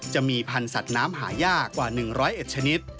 จะมีพันธุ์สัตว์น้ำหายากกว่า๑๐๑ชนิด